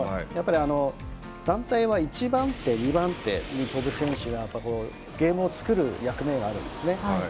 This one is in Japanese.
やっぱり団体は一番手、二番手に飛ぶ選手がゲームをつくる役目があるんですね。